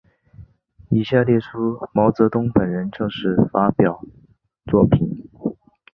以下列出毛泽东本人正式发表作品。